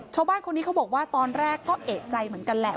ชาวบ้านคนนี้เขาบอกว่าตอนแรกก็เอกใจเหมือนกันแหละ